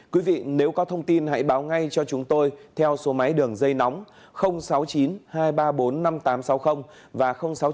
quý vị nếu có thông tin hãy báo ngay cho chúng tôi theo số máy đường dây nóng sáu mươi chín hai trăm ba mươi bốn năm nghìn tám trăm sáu mươi và sáu mươi chín hai trăm ba mươi một một nghìn sáu trăm sáu mươi